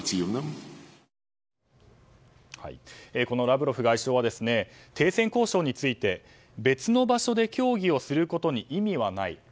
このラブロフ外相は停戦交渉について別の場所で協議をすることに意味はない。